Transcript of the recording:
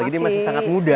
jadi masih sangat muda